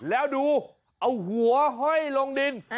แล้วดูเอาหัวห้อยลงดิน